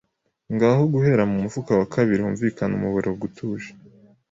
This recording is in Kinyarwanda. Ngaho guhera mu mufuka wa kabiri humvikanye umuborogo utuje